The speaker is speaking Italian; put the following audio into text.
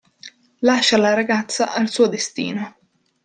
Lascia la ragazza al suo destino.